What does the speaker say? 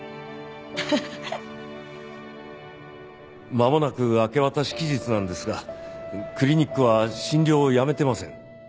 まもなく明け渡し期日なんですがクリニックは診療をやめてません。